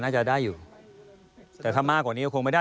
น่าจะได้อยู่แต่ถ้ามากกว่านี้ก็คงไม่ได้